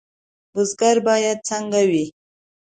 بزګر باید څنګه وي؟